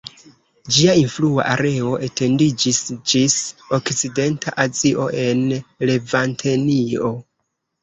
Ĝia influa areo etendiĝis ĝis Okcidenta Azio en Levantenio.